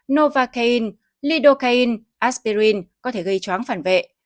novacaine lidocaine aspirin có thể gây chóng phản vệ